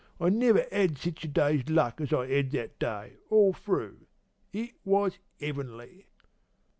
I never 'ad sich a day's luck as I 'ad that day, all through. It was 'eavenly!"